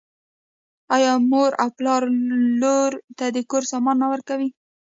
آیا مور او پلار لور ته د کور سامان نه ورکوي؟